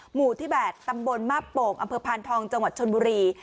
หมู่ที่๘ตำบลมาบโป่งอำเภอพานทองจังหวัดชนบุรี